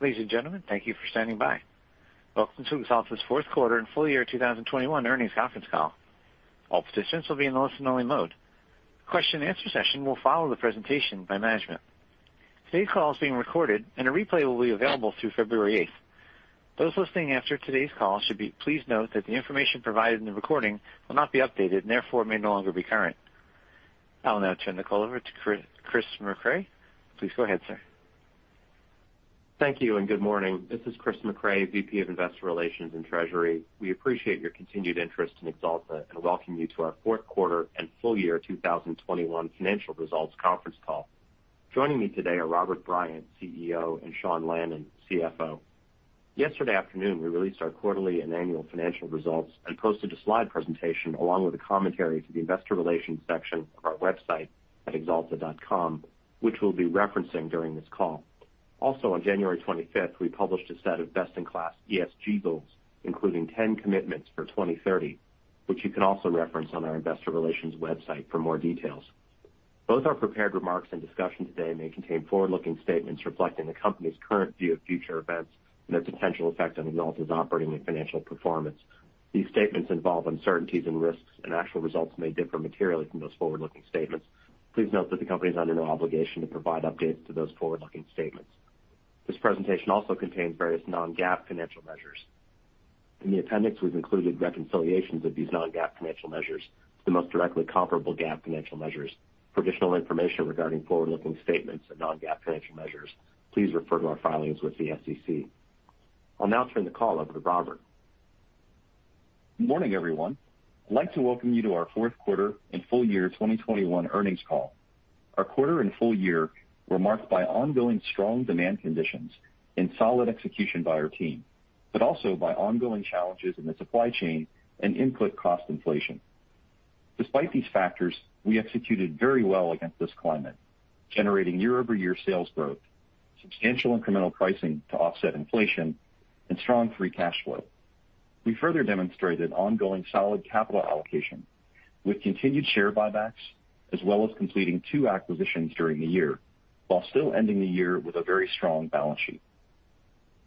Ladies and gentlemen, thank you for standing by. Welcome to Axalta's fourth quarter and full year 2021 earnings conference call. All participants will be in listen-only mode. Question answer session will follow the presentation by management. Today's call is being recorded and a replay will be available through February 8. Those listening after today's call should please note that the information provided in the recording will not be updated and therefore may no longer be current. I will now turn the call over to Chris Mecray. Please go ahead, sir. Thank you and good morning. This is Chris Mecray, VP of Investor Relations and Treasury. We appreciate your continued interest in Axalta and welcome you to our fourth quarter and full year 2021 financial results conference call. Joining me today are Robert Bryant, CEO, and Sean Lannon, CFO. Yesterday afternoon, we released our quarterly and annual financial results and posted a slide presentation along with a commentary to the investor relations section of our website at axalta.com, which we'll be referencing during this call. Also on January 25th, we published a set of best-in-class ESG goals, including 10 commitments for 2030, which you can also reference on our investor relations website for more details. Both our prepared remarks and discussion today may contain forward-looking statements reflecting the company's current view of future events and their potential effect on Axalta's operating and financial performance. These statements involve uncertainties and risks, and actual results may differ materially from those forward-looking statements. Please note that the company is under no obligation to provide updates to those forward-looking statements. This presentation also contains various non-GAAP financial measures. In the appendix, we've included reconciliations of these non-GAAP financial measures to the most directly comparable GAAP financial measures. For additional information regarding forward-looking statements and non-GAAP financial measures, please refer to our filings with the SEC. I'll now turn the call over to Robert. Good morning, everyone. I'd like to welcome you to our fourth quarter and full year 2021 earnings call. Our quarter and full year were marked by ongoing strong demand conditions and solid execution by our team, but also by ongoing challenges in the supply chain and input cost inflation. Despite these factors, we executed very well against this climate, generating year-over-year sales growth, substantial incremental pricing to offset inflation, and strong free cash flow. We further demonstrated ongoing solid capital allocation with continued share buybacks, as well as completing two acquisitions during the year, while still ending the year with a very strong balance sheet.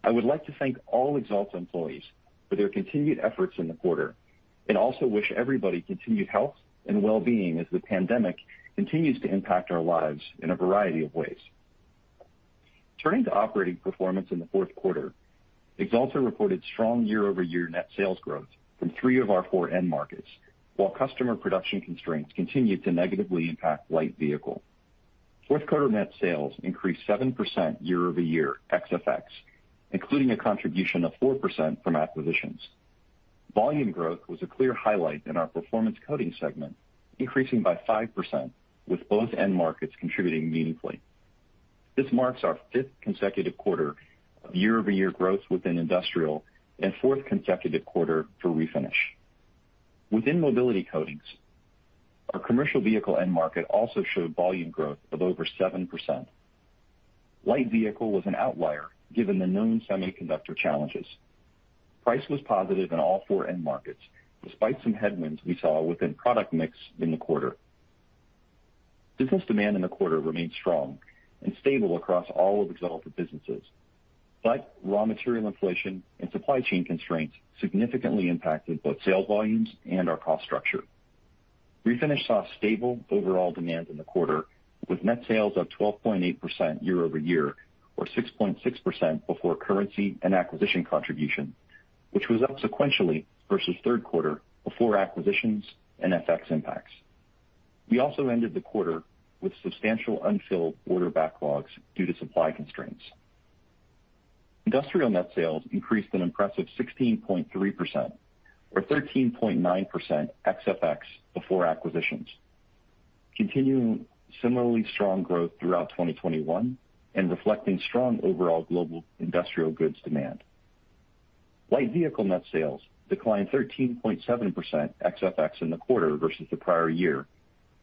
I would like to thank all Axalta employees for their continued efforts in the quarter, and also wish everybody continued health and well-being as the pandemic continues to impact our lives in a variety of ways. Turning to operating performance in the fourth quarter, Axalta reported strong year-over-year net sales growth from three of our four end markets, while customer production constraints continued to negatively light vehicle. fourth quarter net sales increased 7% year-over-year ex-FX, including a contribution of 4% from acquisitions. Volume growth was a clear highlight in our Performance Coatings segment, increasing by 5%, with both end markets contributing meaningfully. This marks our fifth consecutive quarter of year-over-year growth within Industrial and fourth consecutive quarter for Refinish. Within Mobility Coatings, our Commercial Vehicle end market also showed volume growth of over light vehicle was an outlier given the known semiconductor challenges. Price was positive in all four end markets, despite some headwinds we saw within product mix in the quarter. Business demand in the quarter remained strong and stable across all of Axalta businesses, but raw material inflation and supply chain constraints significantly impacted both sales volumes and our cost structure. Refinish saw stable overall demand in the quarter, with net sales up 12.8% year-over-year, or 6.6% before currency and acquisition contribution, which was up sequentially versus third quarter before acquisitions and FX impacts. We also ended the quarter with substantial unfilled order backlogs due to supply constraints. Industrial net sales increased an impressive 16.3% or 13.9% ex-FX before acquisitions, continuing similarly strong growth throughout 2021 and reflecting strong overall global industrial goods demand. Light vehicle net sales declined 13.7% ex-FX in the quarter versus the prior year,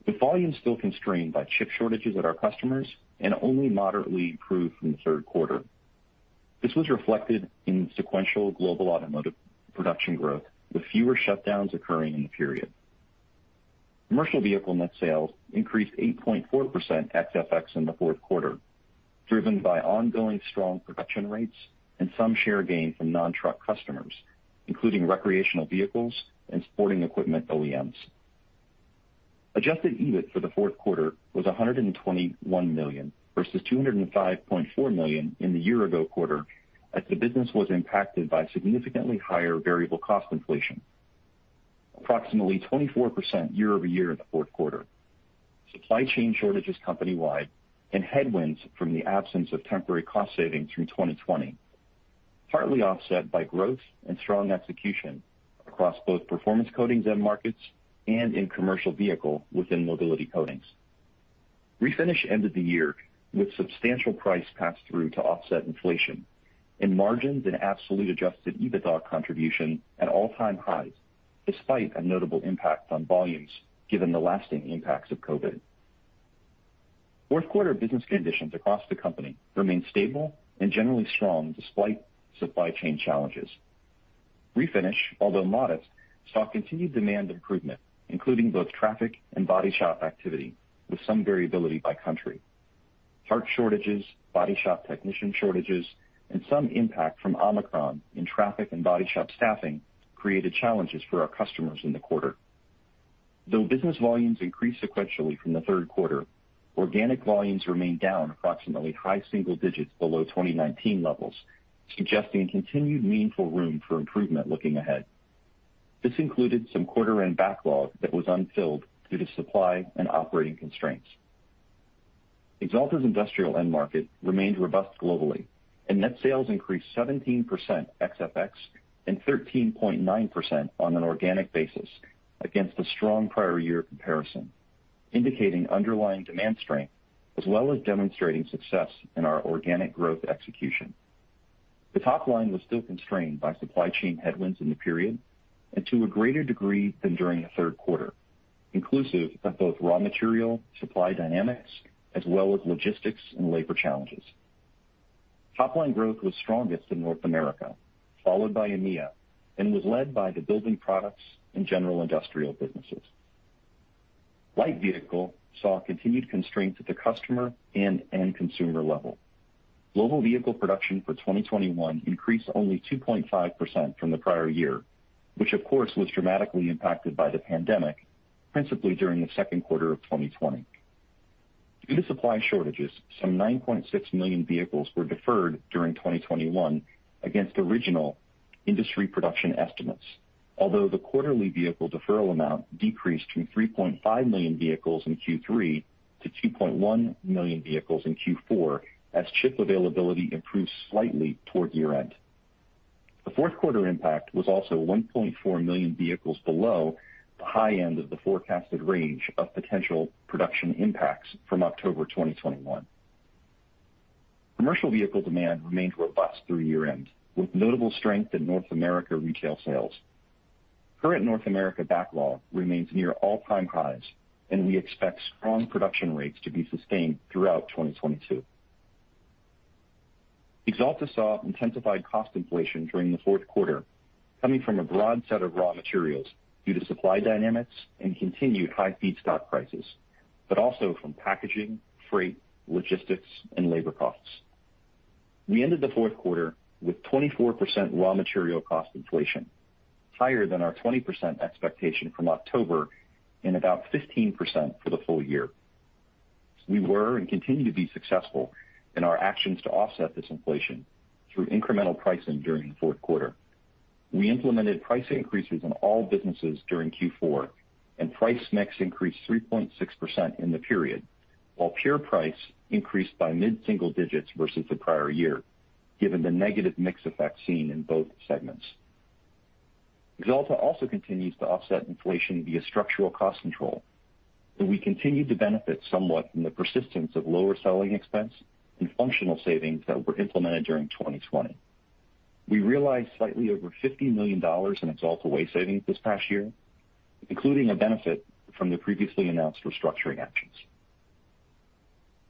with volume still constrained by chip shortages at our customers and only moderately improved from the third quarter. This was reflected in sequential global automotive production growth, with fewer shutdowns occurring in the period. Commercial vehicle net sales increased 8.4% ex-FX in the fourth quarter, driven by ongoing strong production rates and some share gain from non-truck customers, including recreational vehicles and sporting equipment OEMs. Adjusted EBIT for the fourth quarter was $121 million versus $205.4 million in the year ago quarter, as the business was impacted by significantly higher variable cost inflation, approximately 24% year-over-year in the fourth quarter. Supply chain shortages company-wide and headwinds from the absence of temporary cost savings through 2020, partly offset by growth and strong execution across both Performance Coatings end markets and in commercial vehicle within Mobility Coatings. Refinish ended the year with substantial price pass-through to offset inflation and margins and absolute adjusted EBITDA contribution at all-time highs, despite a notable impact on volumes given the lasting impacts of COVID. Fourth quarter business conditions across the company remained stable and generally strong despite supply chain challenges. Refinish, although modest, saw continued demand improvement, including both traffic and body shop activity with some variability by country. Part shortages, body shop technician shortages, and some impact from Omicron in traffic and body shop staffing created challenges for our customers in the quarter. Though business volumes increased sequentially from the third quarter, organic volumes remained down approximately high single digits below 2019 levels, suggesting continued meaningful room for improvement looking ahead. This included some quarter-end backlog that was unfilled due to supply and operating constraints. Axalta's industrial end market remained robust globally and net sales increased 17% ex-FX and 13.9% on an organic basis against a strong prior year comparison, indicating underlying demand strength as well as demonstrating success in our organic growth execution. The top line was still constrained by supply chain headwinds in the period and to a greater degree than during the third quarter, inclusive of both raw material supply dynamics as well as logistics and labor challenges. Top line growth was strongest in North America, followed by EMEA, and was led by the building products and general industrial businesses. Light vehicle saw continued constraints at the customer and end consumer level. Global vehicle production for 2021 increased only 2.5% from the prior year, which of course, was dramatically impacted by the pandemic, principally during the second quarter of 2020. Due to supply shortages, some 9.6 million vehicles were deferred during 2021 against original industry production estimates. Although the quarterly vehicle deferral amount decreased from 3.5 million vehicles in Q3 to 2.1 million vehicles in Q4 as chip availability improved slightly toward year-end. The fourth quarter impact was also 1.4 million vehicles below the high end of the forecasted range of potential production impacts from October 2021. Commercial vehicle demand remained robust through year-end, with notable strength in North America retail sales. Current North America backlog remains near all-time highs, and we expect strong production rates to be sustained throughout 2022. Axalta saw intensified cost inflation during the fourth quarter, coming from a broad set of raw materials due to supply dynamics and continued high feedstock prices, but also from packaging, freight, logistics, and labor costs. We ended the fourth quarter with 24% raw material cost inflation, higher than our 20% expectation from October and about 15% for the full year. We were and continue to be successful in our actions to offset this inflation through incremental pricing during the fourth quarter. We implemented price increases on all businesses during Q4 and price mix increased 3.6% in the period, while pure price increased by mid-single digits versus the prior year, given the negative mix effect seen in both segments. Axalta also continues to offset inflation via structural cost control, and we continue to benefit somewhat from the persistence of lower selling expense and functional savings that were implemented during 2020. We realized slightly over $50 million in Axalta Way savings this past year, including a benefit from the previously announced restructuring actions.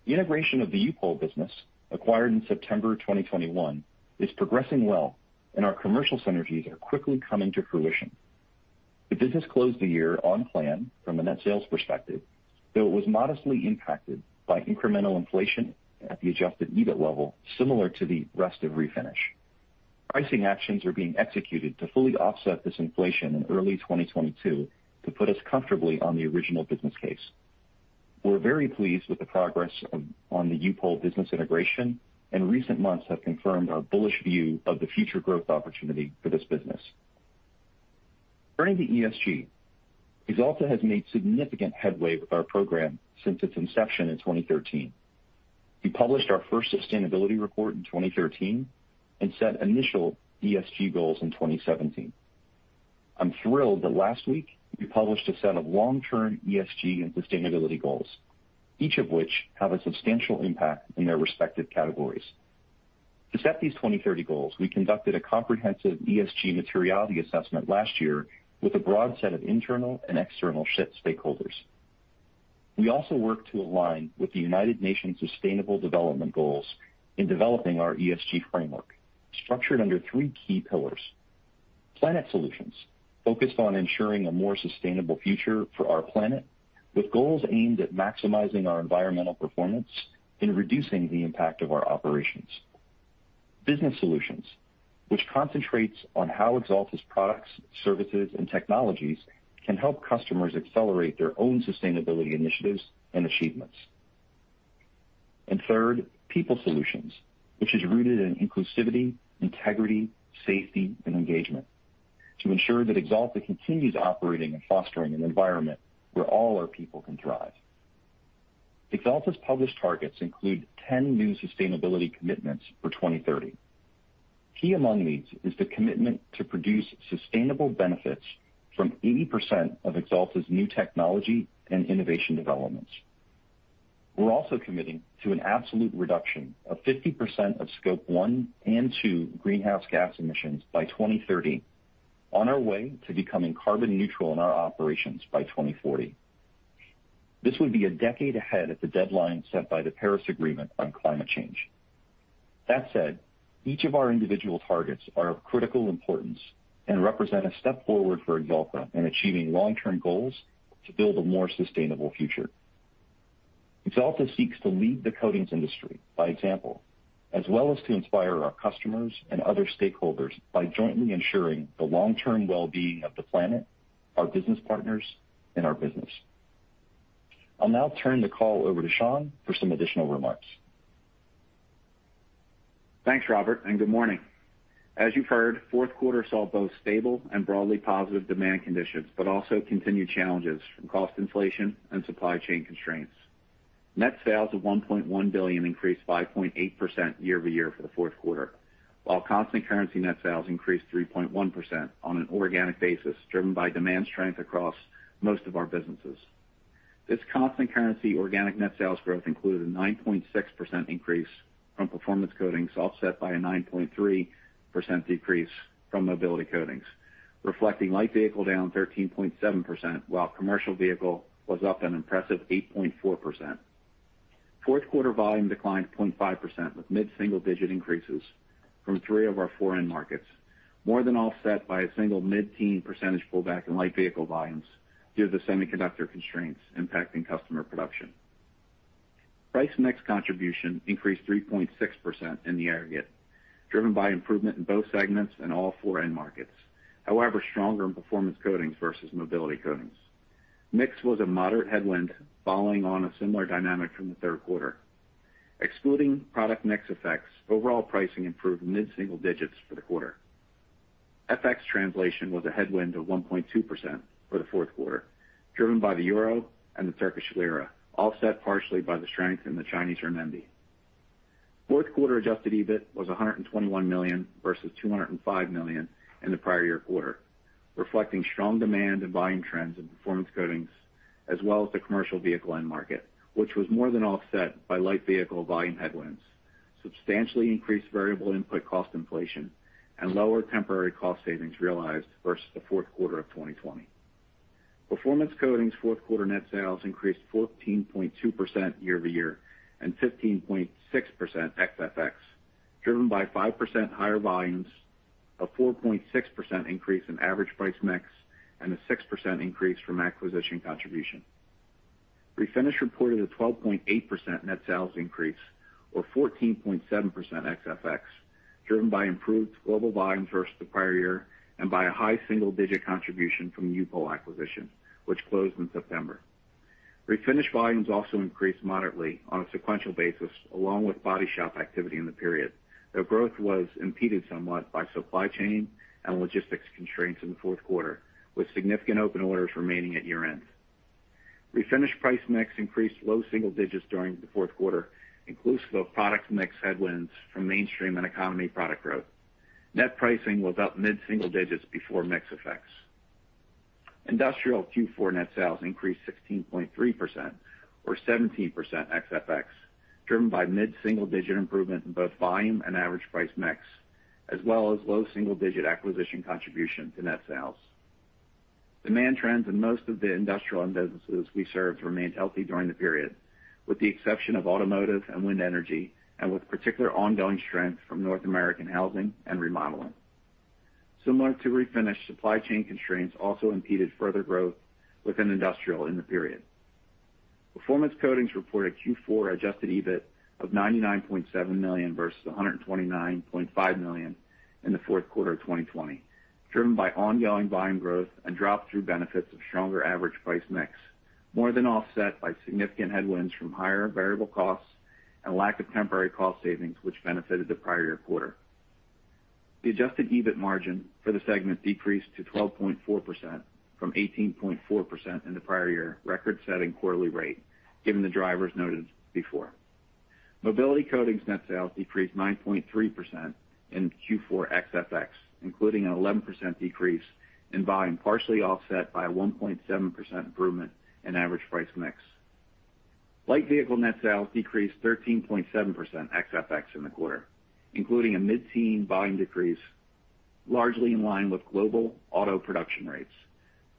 The integration of the U-POL business, acquired in September 2021, is progressing well and our commercial synergies are quickly coming to fruition. The business closed the year on plan from a net sales perspective, though it was modestly impacted by incremental inflation at the adjusted EBIT level, similar to the rest of Refinish. Pricing actions are being executed to fully offset this inflation in early 2022 to put us comfortably on the original business case. We're very pleased with the progress on the U-POL business integration and recent months have confirmed our bullish view of the future growth opportunity for this business. Turning to ESG, Axalta has made significant headway with our program since its inception in 2013. We published our first sustainability report in 2013 and set initial ESG goals in 2017. I'm thrilled that last week we published a set of long-term ESG and sustainability goals, each of which have a substantial impact in their respective categories. To set these 2030 goals, we conducted a comprehensive ESG materiality assessment last year with a broad set of internal and external stakeholders. We also worked to align with the United Nations Sustainable Development Goals in developing our ESG framework, structured under three key pillars. Planet Solutions, focused on ensuring a more sustainable future for our planet, with goals aimed at maximizing our environmental performance and reducing the impact of our operations. Business Solutions, which concentrates on how Axalta's products, services, and technologies can help customers accelerate their own sustainability initiatives and achievements. Third, People Solutions, which is rooted in inclusivity, integrity, safety, and engagement to ensure that Axalta continues operating and fostering an environment where all our people can thrive. Axalta's published targets include 10 new sustainability commitments for 2030. Key among these is the commitment to produce sustainable benefits from 80% of Axalta's new technology and innovation developments. We're also committing to an absolute reduction of 50% of Scope 1 and Scope 2 greenhouse gas emissions by 2030 on our way to becoming carbon neutral in our operations by 2040. This would be a decade ahead of the deadline set by the Paris Agreement on climate change. That said, each of our individual targets are of critical importance and represent a step forward for Axalta in achieving long-term goals to build a more sustainable future. Axalta seeks to lead the coatings industry by example, as well as to inspire our customers and other stakeholders by jointly ensuring the long-term well-being of the planet, our business partners, and our business. I'll now turn the call over to Sean for some additional remarks. Thanks, Robert, and good morning. As you've heard, fourth quarter saw both stable and broadly positive demand conditions, but also continued challenges from cost inflation and supply chain constraints. Net sales of $1.1 billion increased 5.8% year-over-year for the fourth quarter, while constant currency net sales increased 3.1% on an organic basis, driven by demand strength across most of our businesses. This constant currency organic net sales growth included a 9.6% increase from Performance Coatings, offset by a 9.3% decrease from Mobility Coatings, light vehicle down 13.7%, while commercial vehicle was up an impressive 8.4%. Fourth quarter volume declined 0.5%, with mid-single-digit increases from three of our four end markets, more than offset by a single mid-teen percentage pullback light vehicle volumes due to the semiconductor constraints impacting customer production. Price mix contribution increased 3.6% in the aggregate, driven by improvement in both segments and all four end markets, however stronger in Performance Coatings versus Mobility Coatings. Mix was a moderate headwind following on a similar dynamic from the third quarter. Excluding product mix effects, overall pricing improved mid-single digits for the quarter. FX translation was a headwind of 1.2% for the fourth quarter, driven by the euro and the Turkish lira, offset partially by the strength in the Chinese renminbi. Fourth quarter adjusted EBIT was $121 million versus $205 million in the prior year quarter, reflecting strong demand and volume trends in Performance Coatings as well as the commercial vehicle end market, which was more than offset light vehicle volume headwinds, substantially increased variable input cost inflation, and lower temporary cost savings realized versus the fourth quarter of 2020. Performance Coatings' fourth quarter net sales increased 14.2% year-over-year, and 15.6% ex-FX, driven by 5% higher volumes, a 4.6% increase in average price mix, and a 6% increase from acquisition contribution. Refinish reported a 12.8% net sales increase, or 14.7% ex-FX, driven by improved global volume versus the prior year and by a high single-digit contribution from the U-POL acquisition, which closed in September. Refinish volumes also increased moderately on a sequential basis, along with body shop activity in the period, though growth was impeded somewhat by supply chain and logistics constraints in the fourth quarter, with significant open orders remaining at year-end. Refinish price mix increased low single digits during the fourth quarter, inclusive of product mix headwinds from mainstream and economy product growth. Net pricing was up mid-single digits before mix effects. Industrial Q4 net sales increased 16.3%, or 17% ex-FX, driven by mid-single-digit improvement in both volume and average price mix, as well as low single-digit acquisition contribution to net sales. Demand trends in most of the industrial end businesses we serve remained healthy during the period, with the exception of automotive and wind energy, and with particular ongoing strength from North American housing and remodeling. Similar to Refinish, supply chain constraints also impeded further growth within Industrial in the period. Performance Coatings reported Q4 adjusted EBIT of $99.7 million versus $129.5 million in the fourth quarter of 2020, driven by ongoing volume growth and drop-through benefits of stronger average price mix, more than offset by significant headwinds from higher variable costs and lack of temporary cost savings which benefited the prior year quarter. The adjusted EBIT margin for the segment decreased to 12.4% from 18.4% in the prior year record-setting quarterly rate, given the drivers noted before. Mobility Coatings net sales decreased 9.3% in Q4 ex-FX, including an 11% decrease in volume partially offset by a 1.7% improvement in average price light vehicle net sales decreased 13.7% ex-FX in the quarter, including a mid-teen volume decrease largely in line with global auto production rates.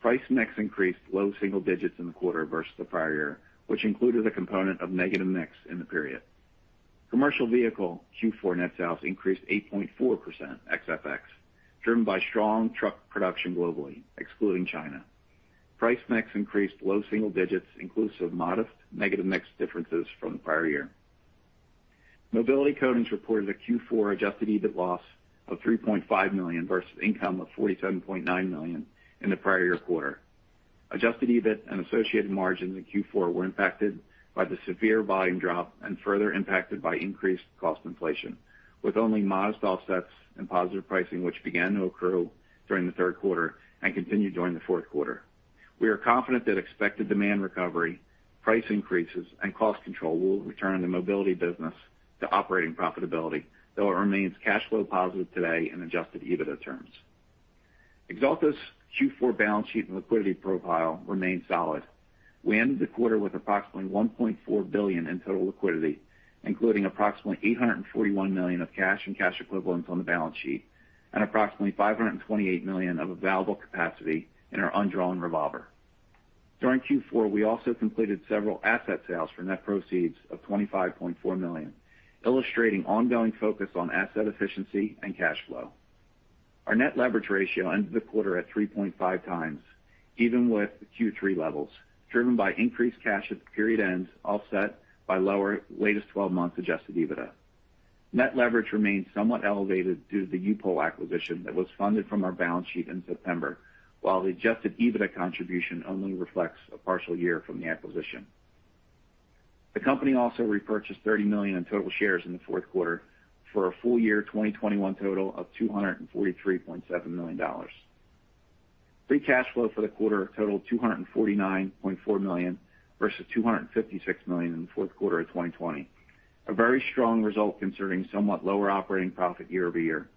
Price mix increased low single digits in the quarter versus the prior year, which included a component of negative mix in the period. Commercial Vehicle Q4 net sales increased 8.4% ex-FX, driven by strong truck production globally, excluding China. Price mix increased low single digits inclusive of modest negative mix differences from the prior year. Mobility Coatings reported a Q4 adjusted EBIT loss of $3.5 million versus income of $47.9 million in the prior year quarter. Adjusted EBIT and associated margins in Q4 were impacted by the severe volume drop and further impacted by increased cost inflation, with only modest offsets and positive pricing which began to accrue during the third quarter and continued during the fourth quarter. We are confident that expected demand recovery, price increases, and cost control will return the Mobility business to operating profitability, though it remains cash flow positive today in adjusted EBITDA terms. Axalta's Q4 balance sheet and liquidity profile remained solid. We ended the quarter with approximately $1.4 billion in total liquidity, including approximately $841 million of cash and cash equivalents on the balance sheet and approximately $528 million of available capacity in our undrawn revolver. During Q4, we also completed several asset sales for net proceeds of $25.4 million, illustrating ongoing focus on asset efficiency and cash flow. Our net leverage ratio ended the quarter at 3.5x, even with Q3 levels, driven by increased cash at the period ends, offset by lower latest 12-month adjusted EBITDA. Net leverage remains somewhat elevated due to the U-POL acquisition that was funded from our balance sheet in September, while the adjusted EBITDA contribution only reflects a partial year from the acquisition. The company also repurchased $30 million in total shares in the fourth quarter for a full year 2021 total of $243.7 million. Free cash flow for the quarter totaled $249.4 million versus $256 million in the fourth quarter of 2020. A very strong result considering somewhat lower operating profit year-over-year.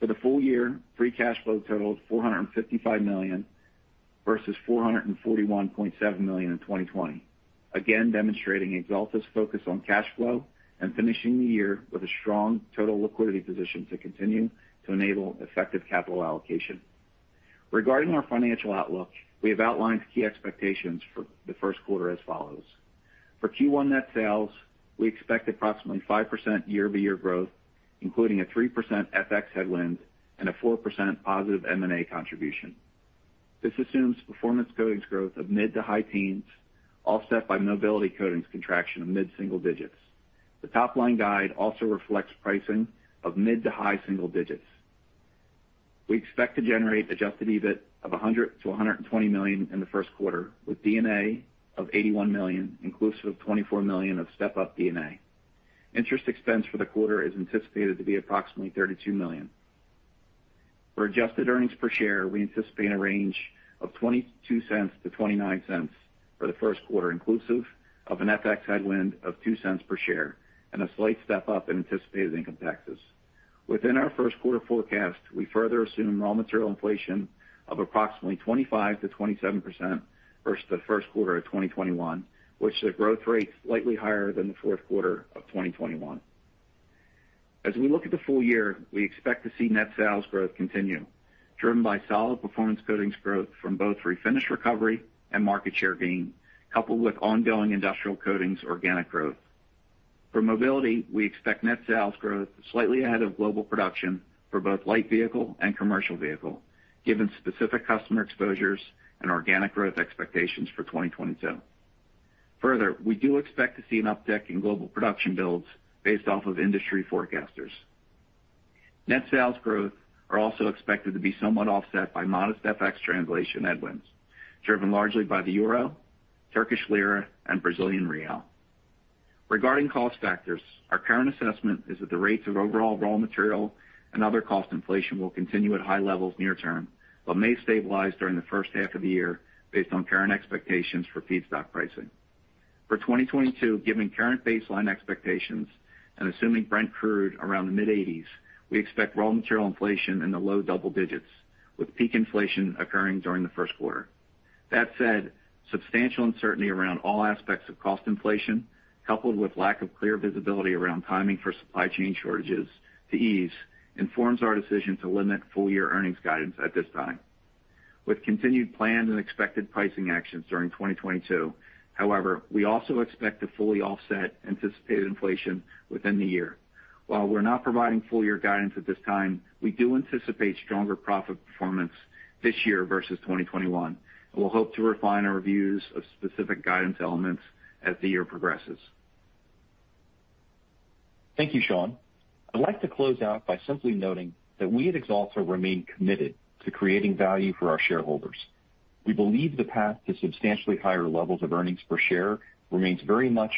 For the full year, free cash flow totaled $455 million versus $441.7 million in 2020. Again, demonstrating Axalta's focus on cash flow and finishing the year with a strong total liquidity position to continue to enable effective capital allocation. Regarding our financial outlook, we have outlined key expectations for the first quarter as follows. For Q1 net sales, we expect approximately 5% year-over-year growth, including a 3% FX headwind and a 4% positive M&A contribution. This assumes Performance Coatings growth of mid- to high-teens, offset by Mobility Coatings contraction of mid-single-digits. The top-line guide also reflects pricing of mid- to high-single-digits. We expect to generate adjusted EBIT of $100 million-$120 million in the first quarter, with D&A of $81 million, inclusive of $24 million of step-up D&A. Interest expense for the quarter is anticipated to be approximately $32 million. For adjusted earnings per share, we anticipate a range of $0.22-$0.29 for the first quarter, inclusive of an FX headwind of $0.02 per share and a slight step-up in anticipated income taxes. Within our first quarter forecast, we further assume raw material inflation of approximately 25%-27% versus the first quarter of 2021, which is a growth rate slightly higher than the fourth quarter of 2021. We expect to see net sales growth continue, driven by solid Performance Coatings growth from both refinish recovery and market share gain, coupled with ongoing Industrial Coatings organic growth. For Mobility, we expect net sales growth slightly ahead of global production for light vehicle and commercial vehicle, given specific customer exposures and organic growth expectations for 2022. Further, we do expect to see an uptick in global production builds based off of industry forecasters. Net sales growth are also expected to be somewhat offset by modest FX translation headwinds, driven largely by the euro, Turkish lira, and Brazilian real. Regarding cost factors, our current assessment is that the rates of overall raw material and other cost inflation will continue at high levels near term, but may stabilize during the first half of the year based on current expectations for feedstock pricing. For 2022, given current baseline expectations and assuming Brent crude around the mid-80s, we expect raw material inflation in the low double digits, with peak inflation occurring during the first quarter. That said, substantial uncertainty around all aspects of cost inflation, coupled with lack of clear visibility around timing for supply chain shortages to ease, informs our decision to limit full-year earnings guidance at this time. With continued plans and expected pricing actions during 2022, however, we also expect to fully offset anticipated inflation within the year. While we're not providing full year guidance at this time, we do anticipate stronger profit performance this year versus 2021, and we'll hope to refine our views of specific guidance elements as the year progresses. Thank you, Sean. I'd like to close out by simply noting that we at Axalta remain committed to creating value for our shareholders. We believe the path to substantially higher levels of earnings per share remains very much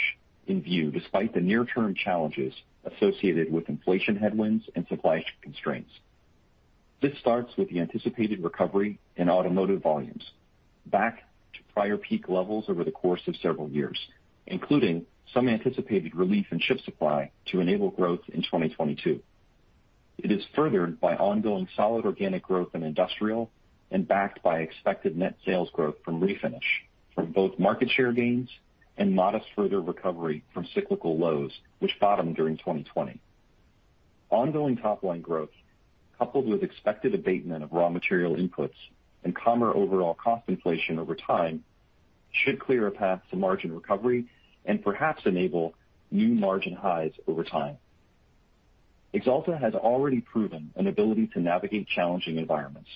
in view despite the near-term challenges associated with inflation headwinds and supply constraints. This starts with the anticipated recovery in automotive volumes back to prior peak levels over the course of several years, including some anticipated relief in chip supply to enable growth in 2022. It is furthered by ongoing solid organic growth in Industrial and backed by expected net sales growth from Refinish, from both market share gains and modest further recovery from cyclical lows, which bottomed during 2020. Ongoing top-line growth, coupled with expected abatement of raw material inputs and calmer overall cost inflation over time, should clear a path to margin recovery and perhaps enable new margin highs over time. Axalta has already proven an ability to navigate challenging environments,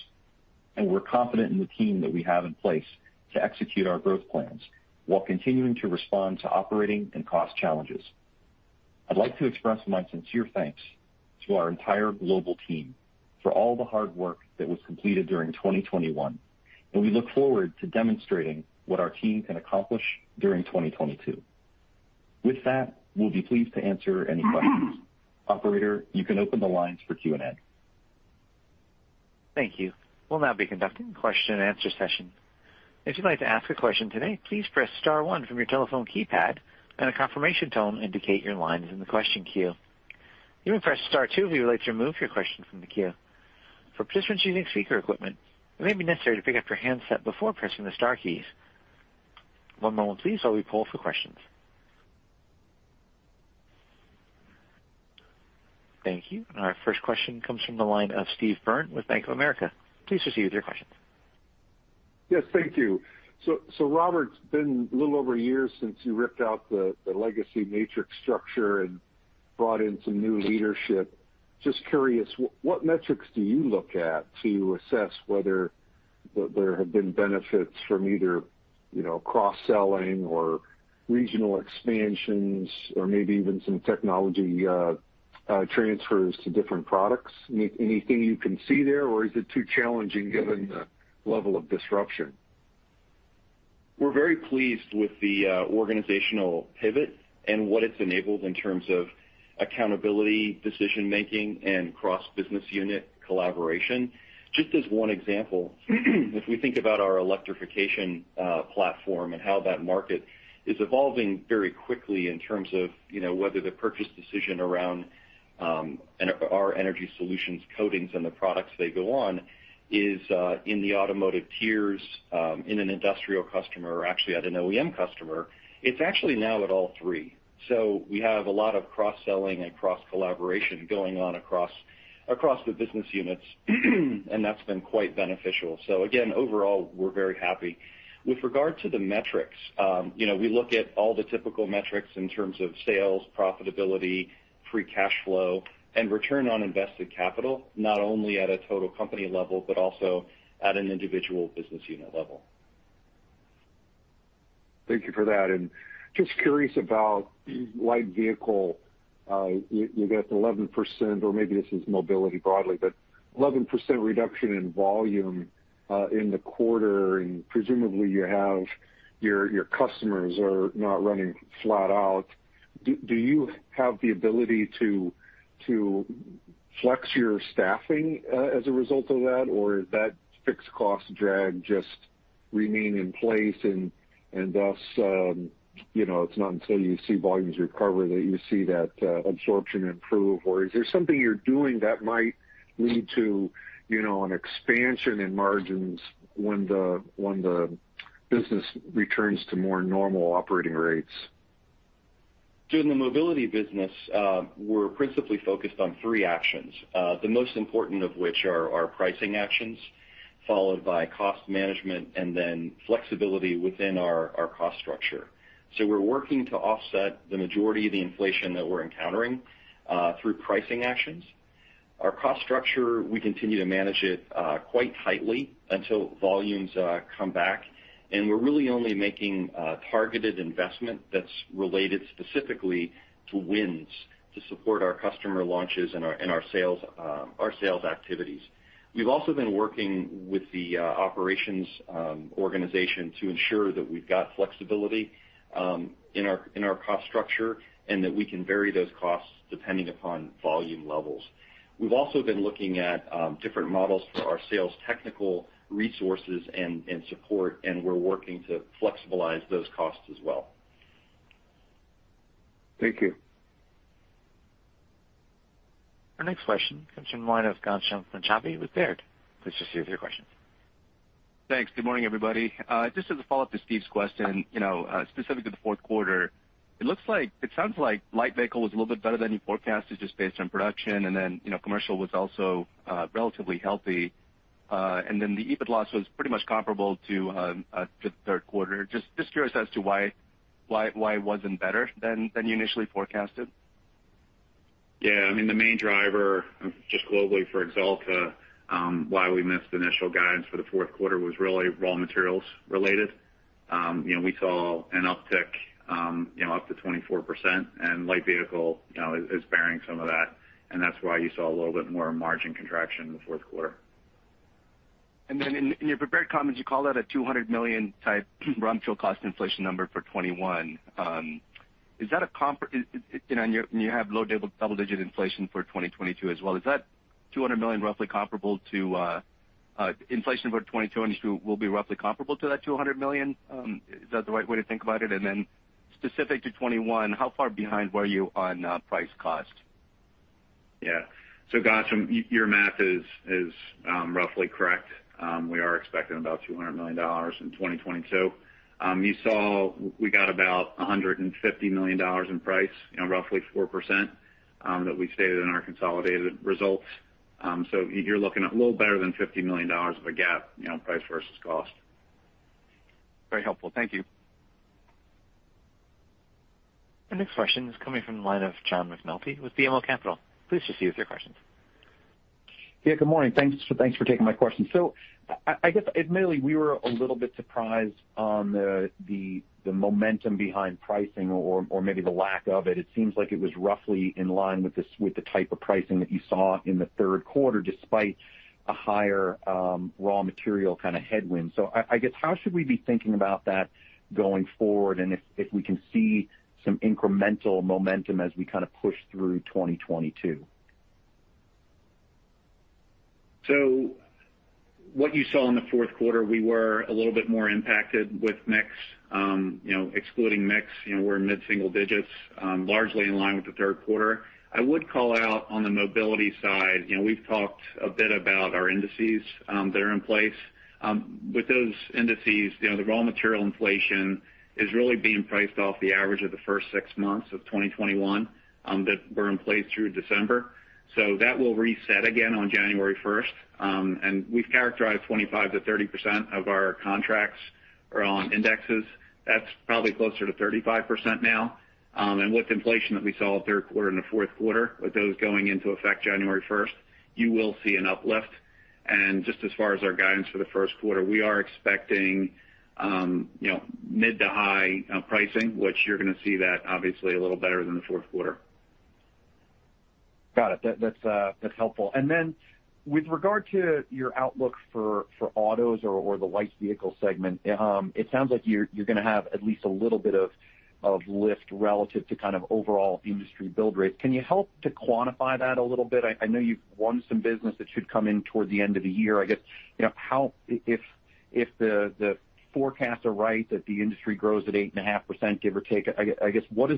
and we're confident in the team that we have in place to execute our growth plans while continuing to respond to operating and cost challenges. I'd like to express my sincere thanks to our entire global team for all the hard work that was completed during 2021, and we look forward to demonstrating what our team can accomplish during 2022. With that, we'll be pleased to answer any questions. Operator, you can open the lines for Q&A. Thank you. We'll now be conducting a question and answer session. If you'd like to ask a question today, please press star one from your telephone keypad, and a confirmation tone will indicate your line is in the question queue. You may press star two if you would like to remove your question from the queue. For participants using speaker equipment, it may be necessary to pick up your handset before pressing the star keys. One moment please while we poll for questions. Thank you. Our first question comes from the line of Steve Byrne with Bank of America. Please proceed with your question. Yes. Thank you. Robert, it's been a little over a year since you ripped out the legacy matrix structure and brought in some new leadership. Just curious, what metrics do you look at to assess whether there have been benefits from either, you know, cross-selling or regional expansions or maybe even some technology transfers to different products? Anything you can see there, or is it too challenging given the level of disruption? We're very pleased with the organizational pivot and what it's enabled in terms of accountability, decision-making, and cross-business unit collaboration. Just as one example, if we think about our electrification platform and how that market is evolving very quickly in terms of, you know, whether the purchase decision around our Energy Solutions coatings and the products they go on is in the automotive tiers in an industrial customer or actually at an OEM customer, it's actually now at all three. We have a lot of cross-selling and cross-collaboration going on across the business units, and that's been quite beneficial. Again, overall, we're very happy. With regard to the metrics, we look at all the typical metrics in terms of sales, profitability, free cash flow, and return on invested capital, not only at a total company level, but also at an individual business unit level. Thank you for that. Just curious light vehicle. you got 11%, or maybe this is mobility broadly, but 11% reduction in volume in the quarter, and presumably, you have your customers are not running flat out. Do you have the ability to flex your staffing as a result of that, or is that fixed cost drag just remain in place and thus, you know, it's not until you see volumes recover that you see that absorption improve? Or is there something you're doing that might lead to, you know, an expansion in margins when the business returns to more normal operating rates? During the mobility business, we're principally focused on three actions, the most important of which are our pricing actions, followed by cost management and then flexibility within our cost structure. We're working to offset the majority of the inflation that we're encountering through pricing actions. Our cost structure, we continue to manage it quite tightly until volumes come back. We're really only making targeted investment that's related specifically to wins to support our customer launches and our sales activities. We've also been working with the operations organization to ensure that we've got flexibility in our cost structure, and that we can vary those costs depending upon volume levels. We've also been looking at different models for our sales technical resources and support, and we're working to flexibilize those costs as well. Thank you. Our next question comes from the line of Ghansham Panjabi with Baird. Please proceed with your question. Thanks. Good morning, everybody. Just as a follow-up to Steve's question, you know, specific to the fourth quarter, it sounds light vehicle was a little bit better than you forecasted just based on production. You know, commercial was also relatively healthy. The EBIT loss was pretty much comparable to the third quarter. Just curious as to why it wasn't better than you initially forecasted. Yeah. I mean, the main driver just globally for Axalta, why we missed initial guidance for the fourth quarter was really raw materials related. You know, we saw an uptick, you know, up to 24%, light vehicle, you know, is bearing some of that, and that's why you saw a little bit more margin contraction in the fourth quarter. In your prepared comments, you called out a $200 million type raw material cost inflation number for 2021. You know, you have low double-digit inflation for 2022 as well. Is that $200 million roughly comparable to inflation for 2022? Will inflation for 2022 be roughly comparable to that $200 million? Is that the right way to think about it? Specific to 2021, how far behind were you on price cost? Yeah. Ghansham, your math is roughly correct. We are expecting about $200 million in 2022. You saw we got about $150 million in price, you know, roughly 4%, that we stated in our consolidated results. You're looking at a little better than $50 million of a gap, you know, price versus cost. Very helpful. Thank you. Our next question is coming from the line of John McNulty with BMO Capital. Please proceed with your questions. Yeah, good morning. Thanks for taking my question. I guess, admittedly, we were a little bit surprised on the momentum behind pricing or maybe the lack of it. It seems like it was roughly in line with the type of pricing that you saw in the third quarter, despite a higher raw material kind of headwind. I guess, how should we be thinking about that going forward, and if we can see some incremental momentum as we kind of push through 2022? What you saw in the fourth quarter, we were a little bit more impacted with mix. You know, excluding mix, you know, we're mid-single digits, largely in line with the third quarter. I would call out on the mobility side, you know, we've talked a bit about our indices that are in place. With those indices, you know, the raw material inflation is really being priced off the average of the first six months of 2021 that were in place through December. That will reset again on January 1st. We've characterized 25%-30% of our contracts or on indexes. That's probably closer to 35% now. With inflation that we saw at third quarter and the fourth quarter, with those going into effect January 1st, you will see an uplift. Just as far as our guidance for the first quarter, we are expecting, you know, mid to high pricing, which you're gonna see that obviously a little better than the fourth quarter. Got it. That's helpful. With regard to your outlook for autos or light vehicle segment, it sounds like you're gonna have at least a little bit of lift relative to kind of overall industry build rates. Can you help to quantify that a little bit? I know you've won some business that should come in toward the end of the year. I guess, you know, if the forecasts are right that the industry grows at 8.5%, give or take, I guess, what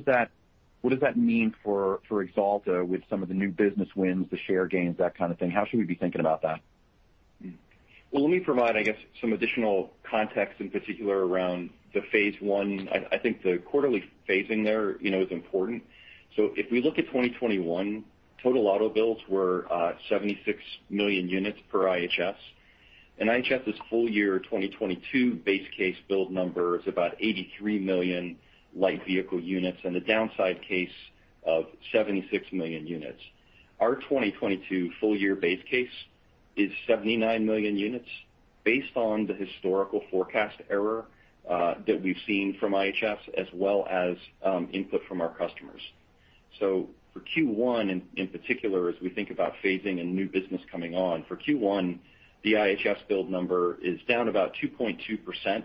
does that mean for Axalta with some of the new business wins, the share gains, that kind of thing? How should we be thinking about that? Let me provide, I guess, some additional context in particular around the phase one. I think the quarterly phasing there, you know, is important. If we look at 2021, total auto builds were 76 million units per IHS. IHS' full year 2022 base case build number is about 83 light vehicle units and a downside case of 76 million units. Our 2022 full year base case is 79 million units based on the historical forecast error that we've seen from IHS as well as input from our customers. For Q1, in particular, as we think about phasing and new business coming on, for Q1, the IHS build number is down about 2.2%,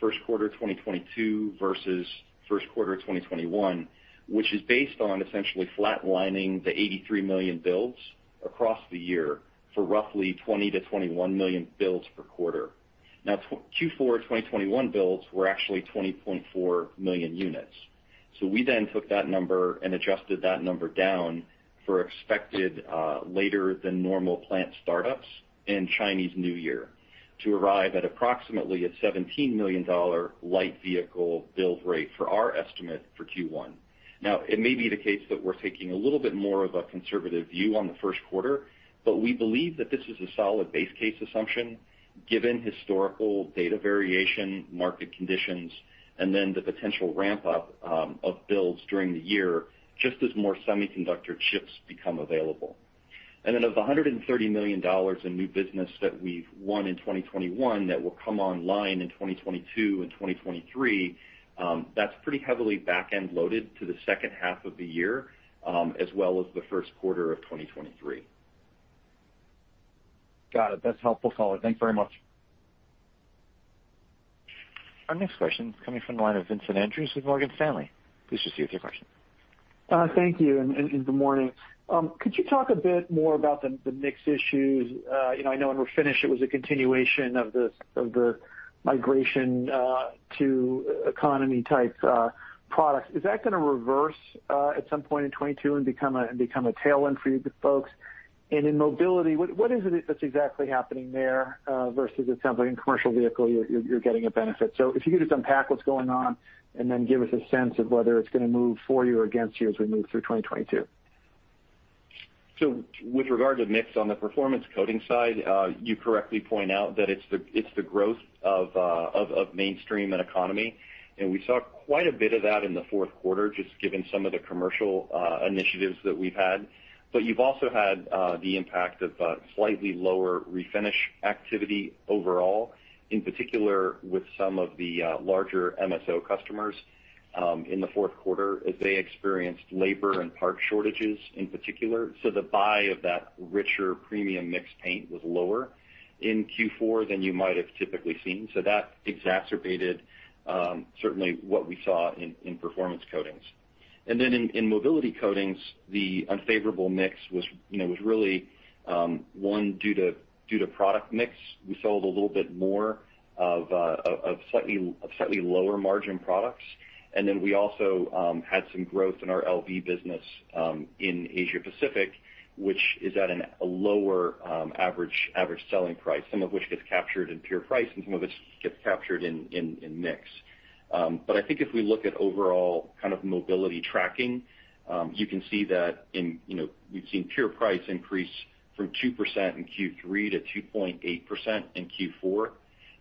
first quarter 2022 versus first quarter 2021, which is based on essentially flatlining the 83 million builds across the year for roughly 20 million-21 million builds per quarter. Now, Q4 2021 builds were actually 20.4 million units. We then took that number and adjusted that number down for expected later than normal plant startups and Chinese New Year to arrive at approximately a 17 million light vehicle build rate for our estimate for Q1. Now, it may be the case that we're taking a little bit more of a conservative view on the first quarter, but we believe that this is a solid base case assumption given historical data variation, market conditions, and then the potential ramp up of builds during the year just as more semiconductor chips become available. Of the $130 million in new business that we've won in 2021 that will come online in 2022 and 2023, that's pretty heavily back-end loaded to the second half of the year, as well as the first quarter of 2023. Got it. That's helpful color. Thanks very much. Our next question is coming from the line of Vincent Andrews with Morgan Stanley. Please proceed with your question. Thank you and good morning. Could you talk a bit more about the mix issues? You know, I know in Refinish it was a continuation of the migration to economy type products. Is that gonna reverse at some point in 2022 and become a tailwind for you folks? In Mobility, what is it that's exactly happening there versus it sounds like in commercial vehicle you're getting a benefit. If you could just unpack what's going on and then give us a sense of whether it's gonna move for you or against you as we move through 2022. With regard to mix on the Performance Coatings side, you correctly point out that it's the growth of mainstream and economy. We saw quite a bit of that in the fourth quarter just given some of the commercial initiatives that we've had. You've also had the impact of slightly lower Refinish activity overall, in particular with some of the larger MSO customers, in the fourth quarter as they experienced labor and part shortages in particular. The buy of that richer premium mix paint was lower in Q4 than you might have typically seen. That exacerbated certainly what we saw in Performance Coatings. Then in Mobility Coatings, the unfavorable mix was, you know, really one due to product mix. We sold a little bit more of slightly lower margin products. We also had some growth in our LV business in Asia Pacific, which is at a lower average selling price, some of which gets captured in pure price and some of which gets captured in mix. I think if we look at overall kind of mobility tracking, you can see that in, you know, we've seen pure price increase from 2% in Q3 to 2.8% in Q4.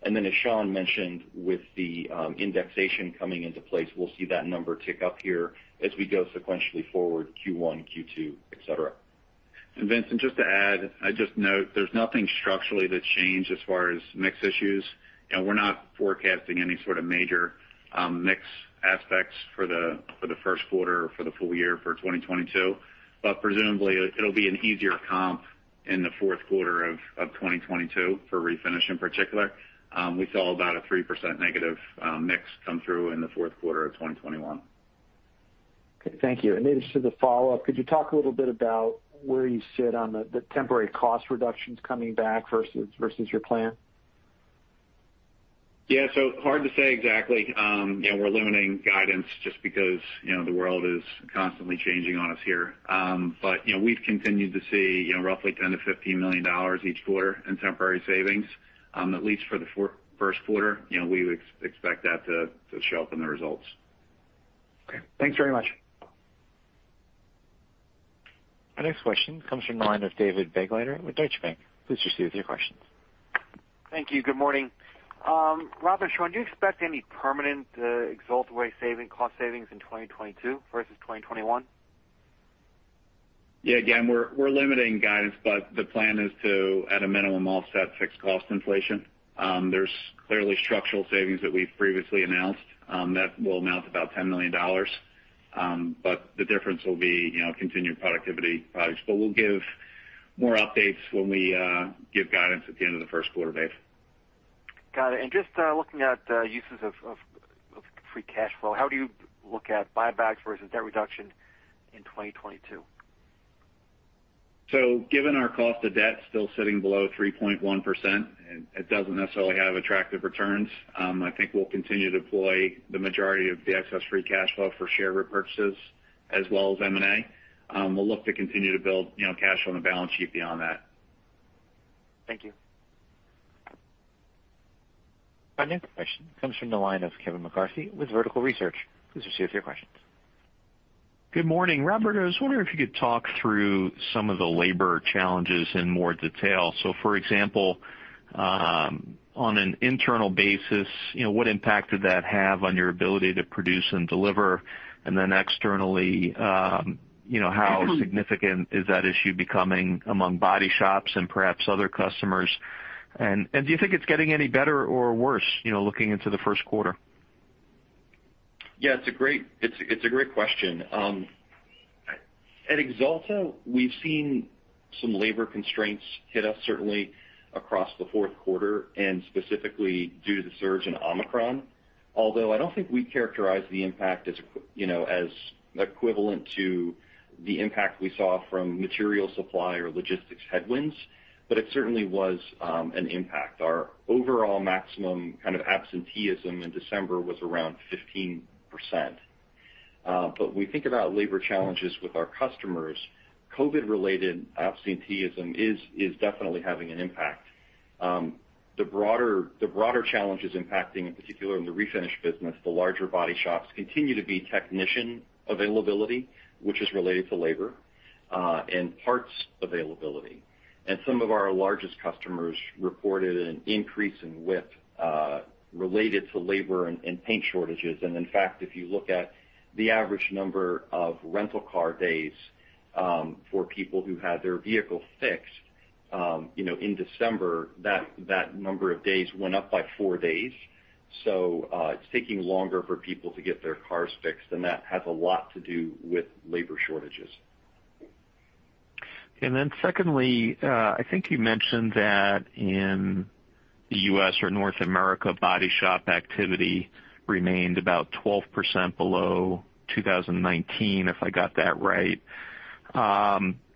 As Sean mentioned, with the indexation coming into place, we'll see that number tick up here as we go sequentially forward Q1, Q2, et cetera. Vincent, just to add, I'd just note there's nothing structurally that's changed as far as mix issues, and we're not forecasting any sort of major mix aspects for the first quarter or for the full year for 2022. Presumably it'll be an easier comp in the fourth quarter of 2022 for Refinish in particular. We saw about a 3% negative mix come through in the fourth quarter of 2021. Okay. Thank you. Maybe just as a follow-up, could you talk a little bit about where you sit on the temporary cost reductions coming back versus your plan? Yeah. Hard to say exactly. We're limiting guidance just because, you know, the world is constantly changing on us here. We've continued to see, you know, roughly $10 million-$15 million each quarter in temporary savings. At least for the first quarter, you know, we expect that to show up in the results. Okay. Thanks very much. Our next question comes from the line of David Begleiter with Deutsche Bank. Please proceed with your questions. Thank you. Good morning. Robert, Sean, do you expect any permanent Axalta Way savings, cost savings in 2022 versus 2021? Yeah. Again, we're limiting guidance, but the plan is to, at a minimum, offset fixed cost inflation. There's clearly structural savings that we've previously announced that will amount to about $10 million. The difference will be, you know, continued productivity projects. We'll give more updates when we give guidance at the end of the first quarter, Dave. Got it. Just looking at uses of free cash flow, how do you look at buybacks versus debt reduction in 2022? Given our cost of debt still sitting below 3.1%, it doesn't necessarily have attractive returns. I think we'll continue to deploy the majority of the excess free cash flow for share repurchases as well as M&A. We'll look to continue to build, you know, cash on the balance sheet beyond that. Thank you. Our next question comes from the line of Kevin McCarthy with Vertical Research. Please proceed with your questions. Good morning. Robert, I was wondering if you could talk through some of the labor challenges in more detail. For example, on an internal basis, you know, what impact did that have on your ability to produce and deliver? And then externally, you know, how significant is that issue becoming among body shops and perhaps other customers? And do you think it's getting any better or worse, you know, looking into the first quarter? It's a great question. At Axalta, we've seen some labor constraints hit us certainly across the fourth quarter and specifically due to the surge in Omicron. Although I don't think we characterize the impact as equivalent to the impact we saw from material supply or logistics headwinds, but it certainly was an impact. Our overall maximum kind of absenteeism in December was around 15%. But we think about labor challenges with our customers, COVID-related absenteeism is definitely having an impact. The broader challenges impacting, in particular in the Refinish business, the larger body shops continue to be technician availability, which is related to labor and parts availability. Some of our largest customers reported an increase in wait related to labor and paint shortages. In fact, if you look at the average number of rental car days, for people who had their vehicle fixed, you know, in December, that number of days went up by four days. It's taking longer for people to get their cars fixed, and that has a lot to do with labor shortages. Secondly, I think you mentioned that in the U.S. or North America, body shop activity remained about 12% below 2019, if I got that right.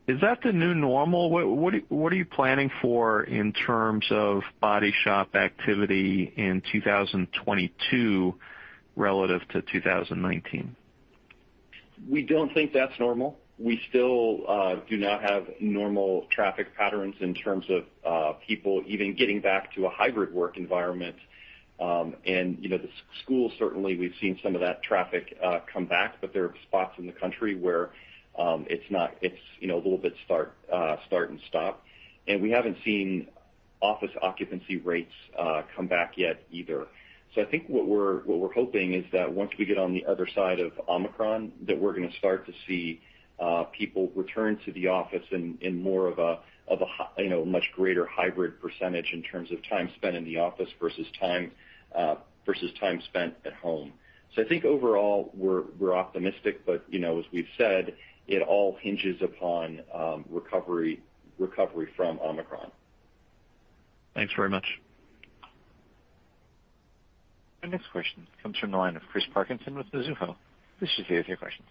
Is that the new normal? What are you planning for in terms of body shop activity in 2022 relative to 2019? We don't think that's normal. We still do not have normal traffic patterns in terms of people even getting back to a hybrid work environment. You know, the school, certainly we've seen some of that traffic come back, but there are spots in the country where it's a little bit start and stop. We haven't seen office occupancy rates come back yet either. I think what we're hoping is that once we get on the other side of Omicron, that we're gonna start to see people return to the office in more of a hybrid, you know, much greater hybrid percentage in terms of time spent in the office versus time spent at home. I think overall, we're optimistic, but, you know, as we've said, it all hinges upon recovery from Omicron. Thanks very much. Our next question comes from the line of Chris Parkinson with Mizuho. Please proceed with your questions.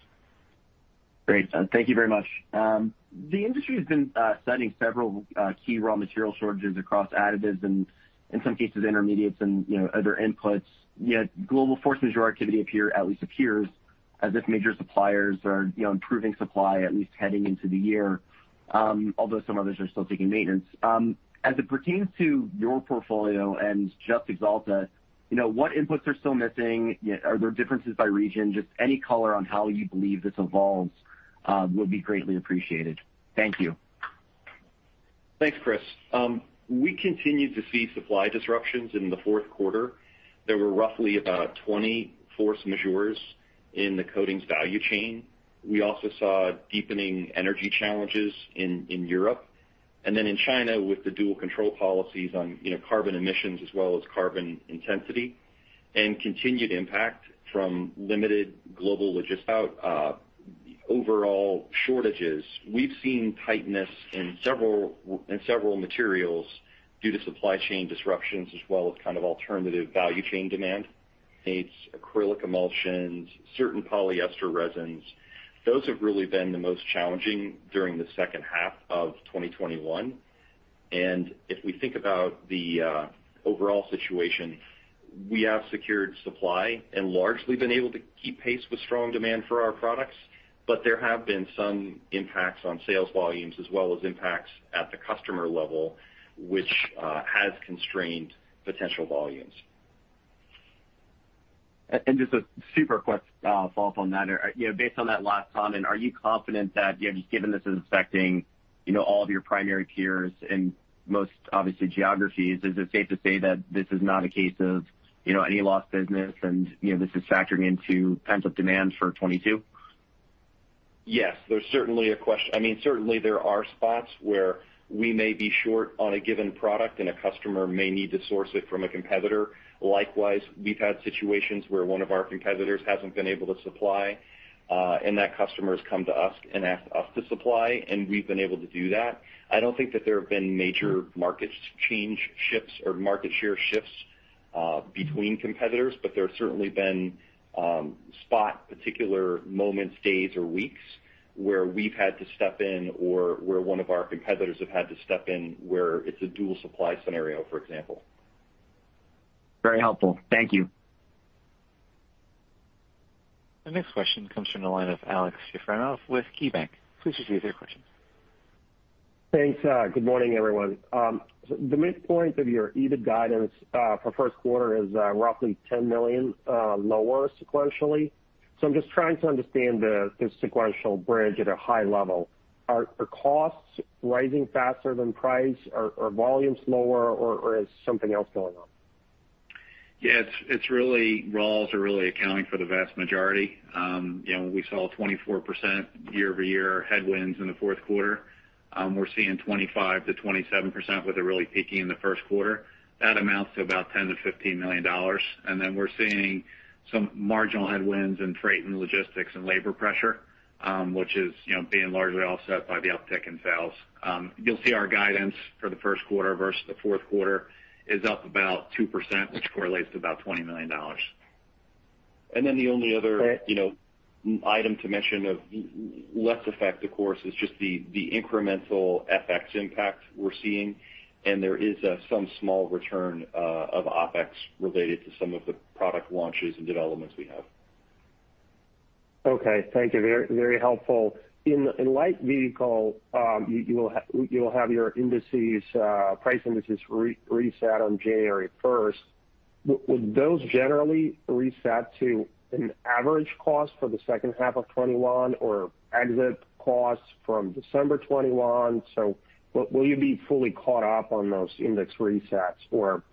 Great. Thank you very much. The industry has been citing several key raw material shortages across additives and in some cases, intermediates and, you know, other inputs. Yet global force majeure activity appears as if major suppliers are, you know, improving supply at least heading into the year, although some others are still taking maintenance. As it pertains to your portfolio and just Axalta, you know, what inputs are still missing? Are there differences by region? Just any color on how you believe this evolves, would be greatly appreciated. Thank you. Thanks, Chris. We continued to see supply disruptions in the fourth quarter. There were roughly about 20 force majeures in the coatings value chain. We also saw deepening energy challenges in Europe. In China, with the dual control policies on, you know, carbon emissions as well as carbon intensity, and continued impact from limited global logistics. Without overall shortages, we've seen tightness in several materials due to supply chain disruptions as well as kind of alternative value chain demand. It's acrylic emulsions, certain polyester resins. Those have really been the most challenging during the second half of 2021. If we think about the overall situation, we have secured supply and largely been able to keep pace with strong demand for our products. There have been some impacts on sales volumes as well as impacts at the customer level, which has constrained potential volumes. Just a super quick follow-up on that. You know, based on that last comment, are you confident that, you know, just given this is affecting, you know, all of your primary peers in most obviously geographies, is it safe to say that this is not a case of, you know, any lost business and, you know, this is factoring into pent-up demand for 2022? Yes. I mean, certainly there are spots where we may be short on a given product and a customer may need to source it from a competitor. Likewise, we've had situations where one of our competitors hasn't been able to supply, and that customer's come to us and asked us to supply, and we've been able to do that. I don't think that there have been major market change shifts or market share shifts between competitors, but there have certainly been spot particular moments, days or weeks where we've had to step in or where one of our competitors have had to step in where it's a dual supply scenario, for example. Very helpful. Thank you. The next question comes from the line of Aleksey Yefremov with KeyBanc. Please proceed with your question. Thanks. Good morning, everyone. The midpoint of your EBIT guidance for first quarter is roughly $10 million lower sequentially. I'm just trying to understand the sequential bridge at a high level. Are costs rising faster than price or volume's lower or is something else going on? Yeah, it's really raw materials are really accounting for the vast majority. You know, we saw 24% year-over-year headwinds in the fourth quarter. We're seeing 25%-27% with it really peaking in the first quarter. That amounts to about $10 million-$15 million. Then we're seeing some marginal headwinds in freight and logistics and labor pressure, which is, you know, being largely offset by the uptick in sales. You'll see our guidance for the first quarter versus the fourth quarter is up about 2%, which correlates to about $20 million. The only other Right. You know, one item to mention of less effect, of course, is just the incremental FX impact we're seeing. There is some small return of OpEx related to some of the product launches and developments we have. Okay. Thank you. Very, very helpful. Light vehicle, you will have your indices, price indices reset on January 1st. Would those generally reset to an average cost for the second half of 2021 or exit costs from December 2021? Will you be fully caught up on those index resets or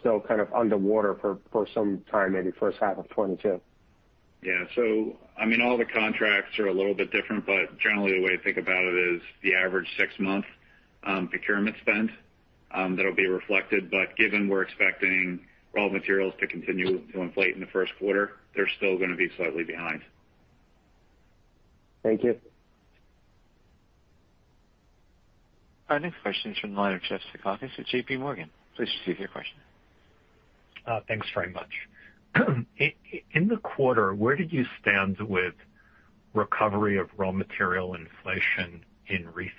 still kind of underwater for some time, maybe first half of 2022? I mean, all the contracts are a little bit different, but generally the way to think about it is the average six-month procurement spend, that'll be reflected. But given we're expecting raw materials to continue to inflate in the first quarter, they're still gonna be slightly behind. Thank you. Our next question's from the line of Jeff Zekauskas at JPMorgan. Please proceed with your question. Thanks very much. In the quarter, where did you stand with recovery of raw material inflation in Refinish?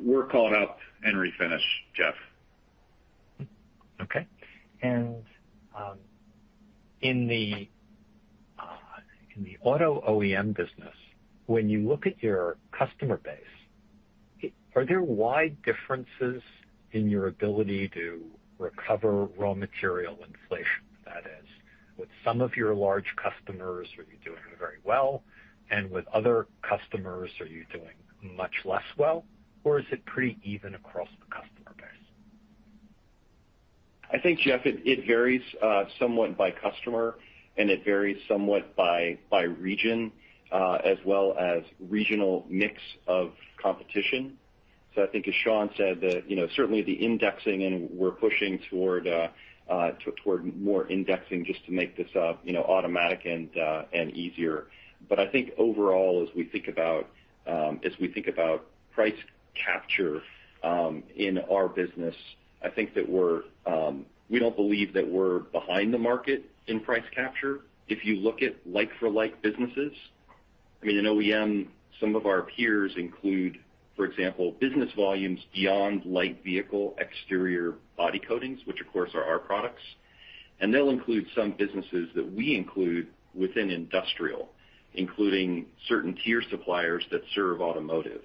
We're caught up in Refinish, Jeff. In the auto OEM business, when you look at your customer base, are there wide differences in your ability to recover raw material inflation? That is, with some of your large customers, are you doing very well, and with other customers, are you doing much less well, or is it pretty even across the customer base? I think, Jeff, it varies somewhat by customer, and it varies somewhat by region, as well as regional mix of competition. I think as Sean said that, you know, certainly the indexing and we're pushing toward more indexing just to make this, you know, automatic and easier. I think overall, as we think about price capture in our business, I think that we don't believe that we're behind the market in price capture. If you look at like-for-like businesses, I mean, in OEM, some of our peers include, for example, business volumes light vehicle exterior body coatings, which of course are our products. They'll include some businesses that we include within Industrial, including certain tier suppliers that serve automotive.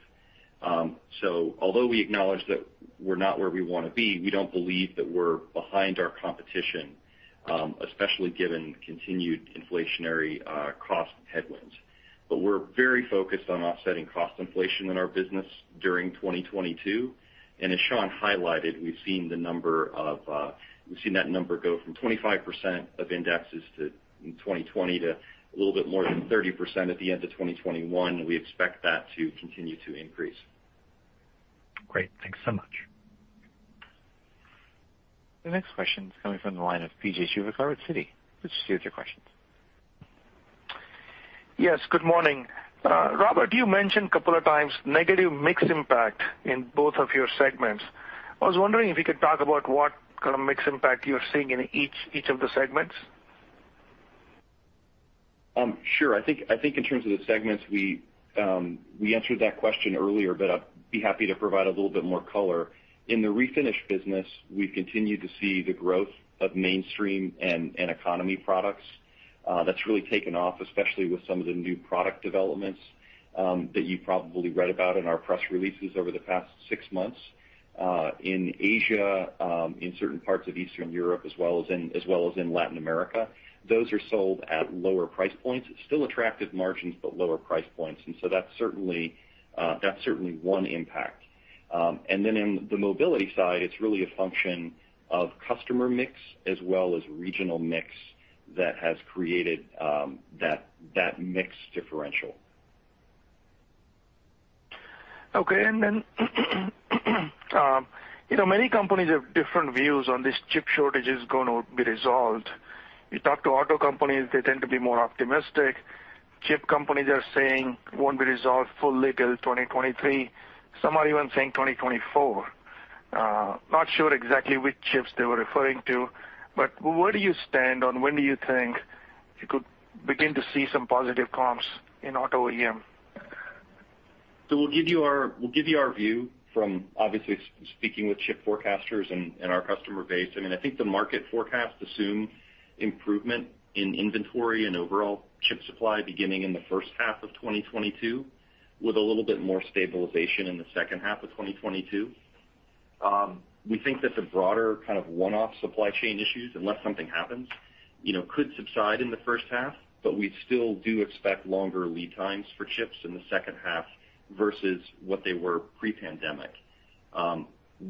Although we acknowledge that we're not where we wanna be, we don't believe that we're behind our competition, especially given continued inflationary cost headwinds. We're very focused on offsetting cost inflation in our business during 2022. As Sean highlighted, we've seen that number go from 25% of indexes in 2020 to a little bit more than 30% at the end of 2021. We expect that to continue to increase. Great. Thanks so much. The next question is coming from the line of P.J. Juvekar, Citi. Please proceed with your questions. Yes, good morning. Robert, you mentioned a couple of times negative mix impact in both of your segments. I was wondering if you could talk about what kind of mix impact you're seeing in each of the segments? Sure. I think in terms of the segments, we answered that question earlier, but I'd be happy to provide a little bit more color. In the Refinish business, we've continued to see the growth of mainstream and economy products. That's really taken off, especially with some of the new product developments that you probably read about in our press releases over the past six months. In Asia, in certain parts of Eastern Europe, as well as in Latin America, those are sold at lower price points. Still attractive margins, but lower price points. That's certainly one impact. In the Mobility side, it's really a function of customer mix as well as regional mix that has created that mix differential. Okay. You know, many companies have different views on this chip shortage is gonna be resolved. You talk to auto companies, they tend to be more optimistic. Chip companies are saying it won't be resolved fully till 2023. Some are even saying 2024. Not sure exactly which chips they were referring to, but where do you stand on when do you think you could begin to see some positive comps in auto OEM? We'll give you our view from obviously speaking with chip forecasters and our customer base. I mean, I think the market forecasts assume improvement in inventory and overall chip supply beginning in the first half of 2022, with a little bit more stabilization in the second half of 2022. We think that the broader kind of one-off supply chain issues, unless something happens, you know, could subside in the first half, but we still do expect longer lead times for chips in the second half versus what they were pre-pandemic.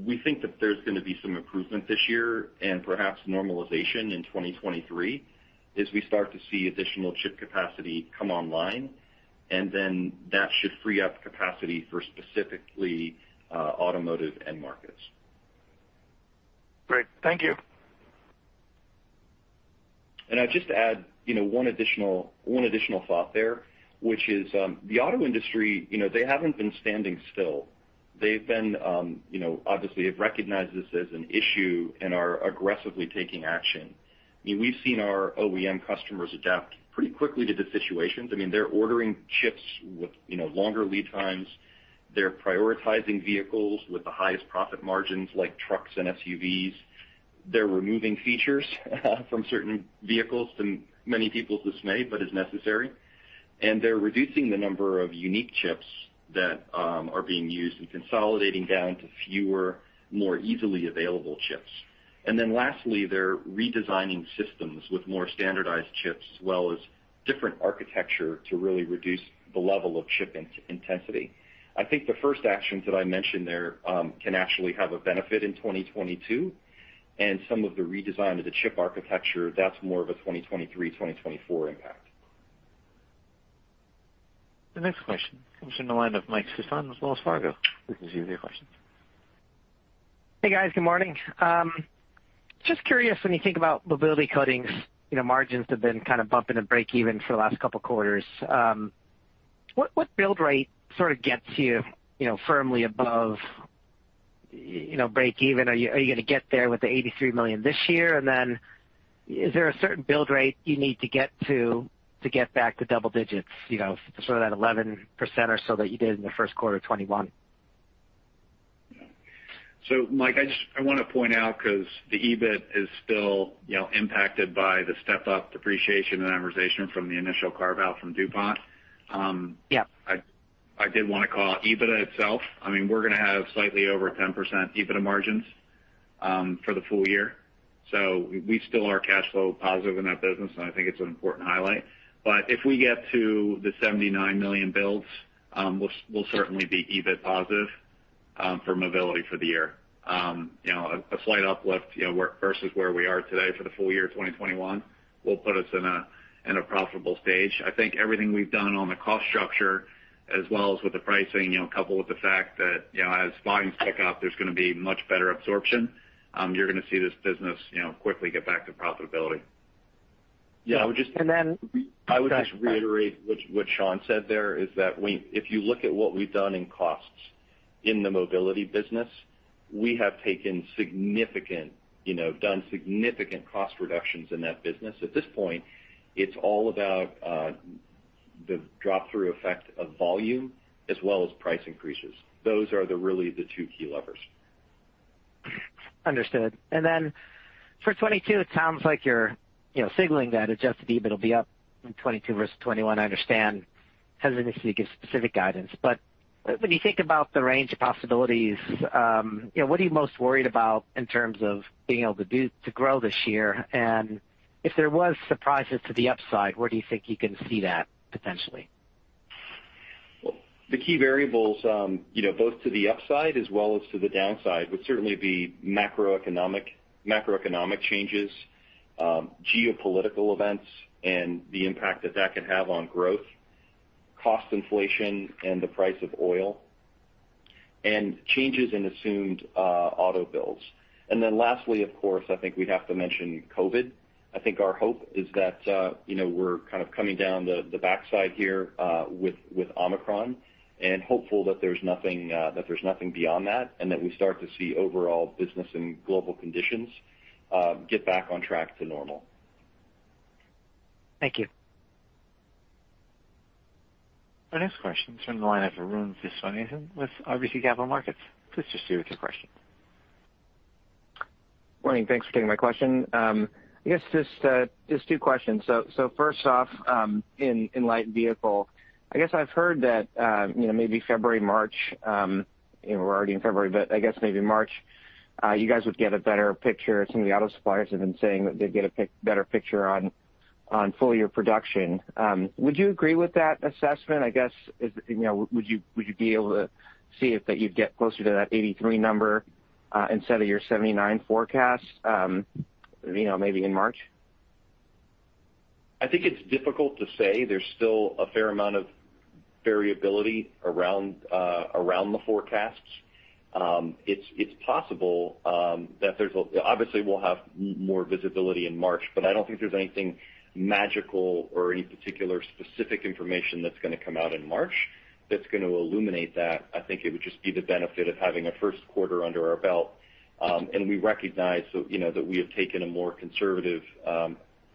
We think that there's gonna be some improvement this year and perhaps normalization in 2023 as we start to see additional chip capacity come online, and then that should free up capacity for specifically automotive end markets. Great. Thank you. I'd just add, you know, one additional thought there, which is, the auto industry, you know, they haven't been standing still. They've been, you know, obviously have recognized this as an issue and are aggressively taking action. I mean, we've seen our OEM customers adapt pretty quickly to the situations. I mean, they're ordering chips with, you know, longer lead times. They're prioritizing vehicles with the highest profit margins like trucks and SUVs. They're removing features from certain vehicles to many people's dismay, but is necessary. They're reducing the number of unique chips that are being used and consolidating down to fewer, more easily available chips. Then lastly, they're redesigning systems with more standardized chips as well as different architecture to really reduce the level of chip intensity. I think the first actions that I mentioned there can actually have a benefit in 2022, and some of the redesign of the chip architecture, that's more of a 2023, 2024 impact. The next question comes from the line of Mike Sison with Wells Fargo. Listeners, you may ask your question. Hey, guys. Good morning. Just curious, when you think about Mobility Coatings, you know, margins have been kind of bumping to breakeven for the last couple quarters. What build rate sort of gets you know, firmly above, you know, breakeven? Are you gonna get there with the 83 million this year? Then is there a certain build rate you need to get to get back to double digits, you know, sort of that 11% or so that you did in the first quarter of 2021? Mike, I wanna point out because the EBIT is still, you know, impacted by the step-up depreciation and amortization from the initial carve-out from DuPont. Yeah. I did wanna call out EBITDA itself. I mean, we're gonna have slightly over 10% EBITDA margins for the full year. We still are cash flow positive in that business, and I think it's an important highlight. If we get to the 79 million builds, we'll certainly be EBIT positive for Mobility for the year. You know, a slight uplift versus where we are today for the full year 2021 will put us in a profitable stage. I think everything we've done on the cost structure as well as with the pricing, you know, coupled with the fact that, you know, as volumes pick up, there's gonna be much better absorption. You're gonna see this business, you know, quickly get back to profitability. Yeah. And then- I would just reiterate what Sean said there is that if you look at what we've done in costs in the mobility business, we have taken significant, you know, done significant cost reductions in that business. At this point, it's all about the drop through effect of volume as well as price increases. Those are really the two key levers. Understood. For 2022, it sounds like you're, you know, signaling that adjusted EBIT will be up in 2022 versus 2021. I understand hesitancy to give specific guidance, but when you think about the range of possibilities, you know, what are you most worried about in terms of being able to do to grow this year? If there was surprises to the upside, where do you think you can see that potentially? The key variables, you know, both to the upside as well as to the downside would certainly be macroeconomic changes, geopolitical events and the impact that that could have on growth, cost inflation and the price of oil, and changes in assumed auto builds. Lastly, of course, I think we'd have to mention COVID. I think our hope is that, you know, we're kind of coming down the backside here with Omicron, and hopeful that there's nothing beyond that, and that we start to see overall business and global conditions get back on track to normal. Thank you. Our next question is from the line of Arun Viswanathan with RBC Capital Markets. Please go ahead with your question. Morning. Thanks for taking my question. I guess just two questions. First off, light vehicle, i guess I've heard that, you know, maybe February, March, you know, we're already in February, but I guess maybe March, you guys would get a better picture. Some of the auto suppliers have been saying that they'd get a better picture on full year production. Would you agree with that assessment? I guess, you know, would you be able to see if you'd get closer to that 83 number, instead of your 79 forecast, you know, maybe in March? I think it's difficult to say. There's still a fair amount of variability around the forecasts. It's possible. Obviously, we'll have more visibility in March, but I don't think there's anything magical or any particular specific information that's gonna come out in March that's gonna illuminate that. I think it would just be the benefit of having a first quarter under our belt. We recognize, so, you know, that we have taken a more conservative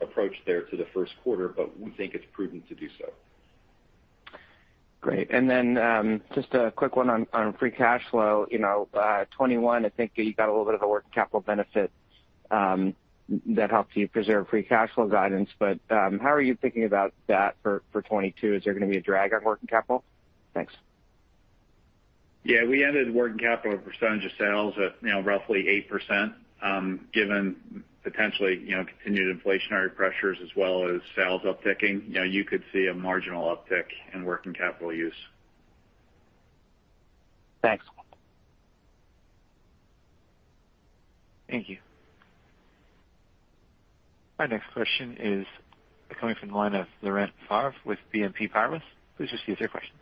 approach there to the first quarter, but we think it's prudent to do so. Great. Just a quick one on free cash flow. 2021, I think you got a little bit of the working capital benefit that helped you preserve free cash flow guidance. How are you thinking about that for 2022? Is there gonna be a drag on working capital? Thanks. Yeah, we ended working capital percentage of sales at, you know, roughly 8%. Given potentially, you know, continued inflationary pressures as well as sales upticking, you know, you could see a marginal uptick in working capital use. Thanks. Thank you. Our next question is coming from the line of Laurent Favre with BNP Paribas. Please just state your question.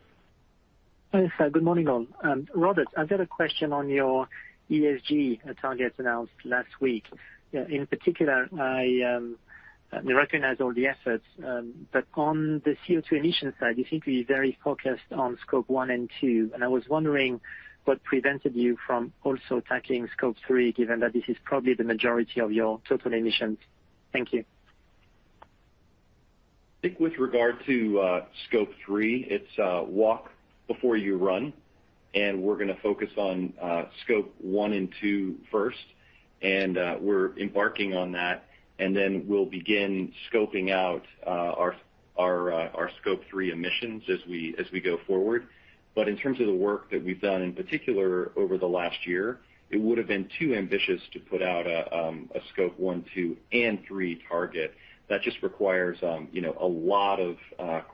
Yes, good morning, all. Robert, I've got a question on your ESG targets announced last week. In particular, I recognize all the efforts, but on the CO2 emission side, you seem to be very focused on Scope 1 and 2. I was wondering what prevented you from also tackling Scope 3, given that this is probably the majority of your total emissions. Thank you. I think with regard to Scope 3, it's walk before you run, and we're gonna focus on Scope 1 and 2 first. We're embarking on that, and then we'll begin scoping out our Scope 3 emissions as we go forward. In terms of the work that we've done, in particular over the last year, it would've been too ambitious to put out a Scope 1, 2, and 3 target. That just requires you know, a lot of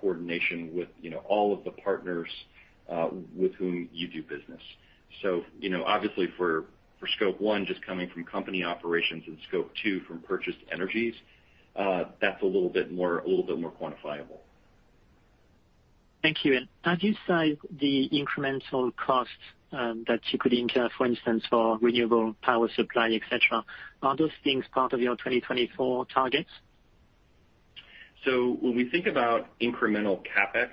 coordination with you know, all of the partners with whom you do business. You know, obviously for Scope 1, just coming from company operations and Scope 2 from purchased energies, that's a little bit more quantifiable. Thank you. As you size the incremental costs, that you could incur, for instance, for renewable power supply, et cetera, are those things part of your 2024 targets? When we think about incremental CapEx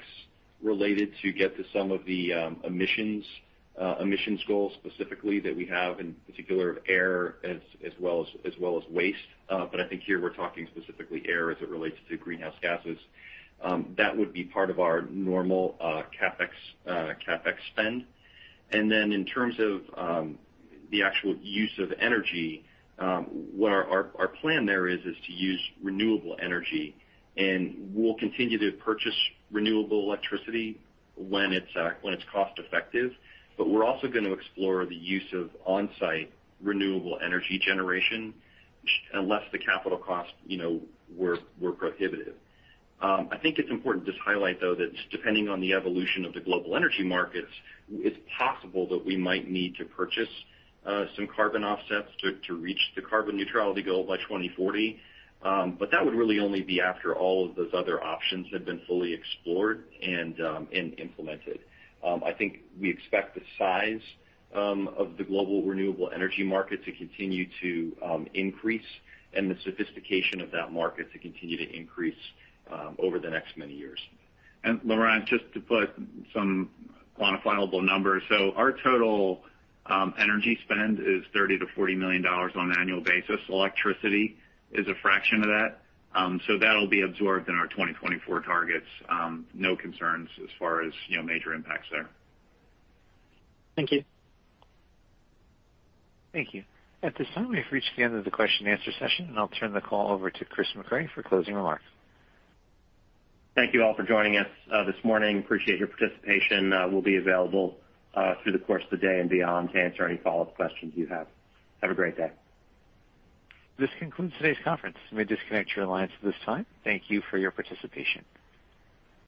related to get to some of the emissions goals specifically that we have, in particular of air as well as waste, but I think here we're talking specifically air as it relates to greenhouse gases, that would be part of our normal CapEx spend. Then in terms of the actual use of energy, what our plan there is to use renewable energy, and we'll continue to purchase renewable electricity when it's cost effective. We're also gonna explore the use of on-site renewable energy generation unless the capital costs you know were prohibitive. I think it's important to just highlight, though, that depending on the evolution of the global energy markets, it's possible that we might need to purchase some carbon offsets to reach the carbon neutrality goal by 2040. That would really only be after all of those other options have been fully explored and implemented. I think we expect the size of the global renewable energy market to continue to increase and the sophistication of that market to continue to increase over the next many years. Laurent, just to put some quantifiable numbers. Our total energy spend is $30 million-$40 million on an annual basis. Electricity is a fraction of that. That'll be absorbed in our 2024 targets. No concerns as far as, you know, major impacts there. Thank you. Thank you. At this time, we've reached the end of the question and answer session, and I'll turn the call over to Chris Mecray for closing remarks. Thank you all for joining us this morning. Appreciate your participation. We'll be available through the course of the day and beyond to answer any follow-up questions you have. Have a great day. This concludes today's conference. You may disconnect your lines at this time. Thank you for your participation.